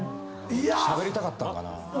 しゃべりたかったのかな。